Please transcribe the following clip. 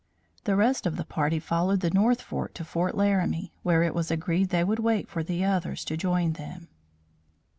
The rest of the party followed the north fork to fort Laramie, where it was agreed they would wait for the others to join them.